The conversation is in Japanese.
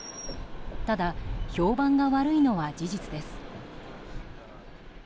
ただ、評判が悪いのは事実です。